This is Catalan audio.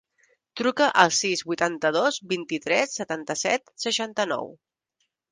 Truca al sis, vuitanta-dos, vint-i-tres, setanta-set, seixanta-nou.